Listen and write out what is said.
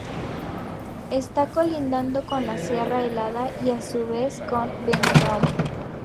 Está colindando con la Sierra Helada y a su vez con Benidorm.